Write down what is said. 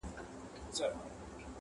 له هراته تر زابله سره یو کور د افغان کې-